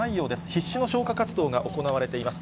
必死の消火活動が行われています。